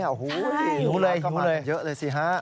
โอ้โฮดูสิ